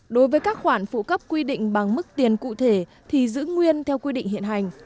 đối với các khoản phụ cấp quy định bằng mức tiền cụ thể thì giữ nguyên theo quy định hiện hành